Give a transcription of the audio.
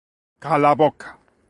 _¡Cala a boca!